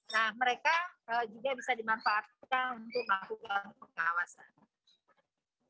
nah mereka juga bisa dimanfaatkan untuk melakukan pengawasan